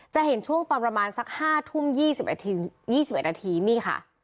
จะเห็นช่วงตอนประมาณสักห้าทุ่มยี่สิบอาทิตย์ยี่สิบอาทิตย์นี่ค่ะ